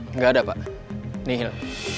enggak ada pak nihil